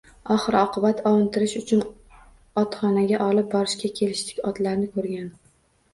Oxir-oqibat ovuntirish uchun otxonaga olib borishga kelishdik, otlarni ko`rgani